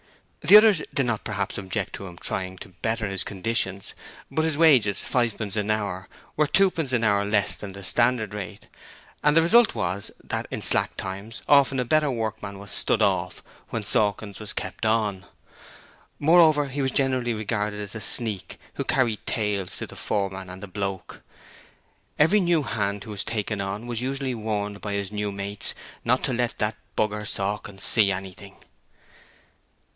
The others did not perhaps object to him trying to better his condition, but his wages fivepence an hour were twopence an hour less than the standard rate, and the result was that in slack times often a better workman was 'stood off' when Sawkins was kept on. Moreover, he was generally regarded as a sneak who carried tales to the foreman and the 'Bloke'. Every new hand who was taken on was usually warned by his new mates 'not to let the b r Sawkins see anything.'